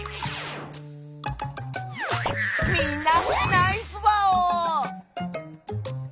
みんなナイスワオ！